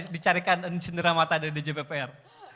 dicarikan di jppr